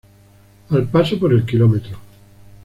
Al paso por el km.